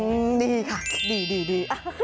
อุำดีค่ะดี